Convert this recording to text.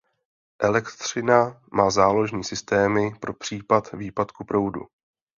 Elektřina má záložní systémy pro případ výpadku proudu.